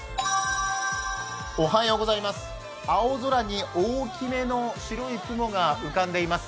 青空に大きめの白い雲が浮かんでいます。